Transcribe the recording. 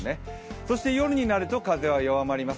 そして夜になると風は弱まります。